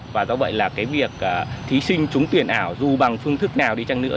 và do vậy là cái việc thí sinh trúng tuyển ảo dù bằng phương thức nào đi chăng nữa